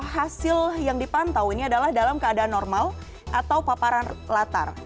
hasil yang dipantau ini adalah dalam keadaan normal atau paparan latar